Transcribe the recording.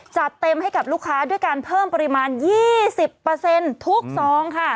จัดเต็มให้กับลูกค้าด้วยการเพิ่มปริมาณ๒๐ทุกซองค่ะ